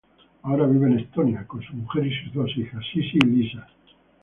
Ahora vive en Estonia con su mujer y sus dos hijas, Sissi y Lisa.